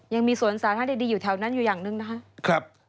ยังมีสวนสาธารณะดีอยู่แถวนั้นอยู่อย่างหนึ่งนะครับ